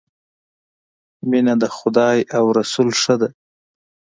مینه د خدای ج او رسول ښه ده.